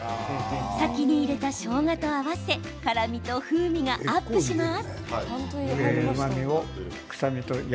先に入れたしょうがと合わせ辛みと風味がアップします。